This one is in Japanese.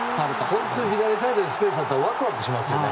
本当に左サイドにスペースがあるとワクワクしますよね。